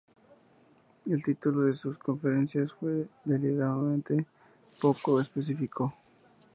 El título de sus conferencias fue deliberadamente poco específico.